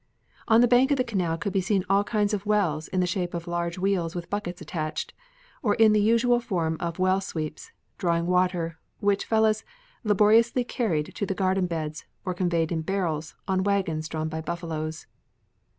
On the bank of the canal could be seen all kinds of wells in the shape of large wheels with buckets attached, or in the usual form of well sweeps, drawing water, which fellahs laboriously carried to the garden beds or conveyed in barrels, on wagons drawn by buffaloes.